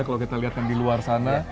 kalau kita lihat kan di luar sana